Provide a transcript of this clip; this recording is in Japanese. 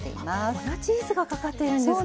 粉チーズがかかっているんですか。